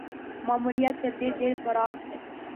ماموریت تر دې ډېر پراخ دی.